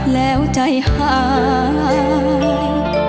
แล้วใจหาย